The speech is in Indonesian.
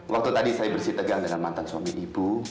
waktu tadi saya bersih tegang dengan mantan suami ibu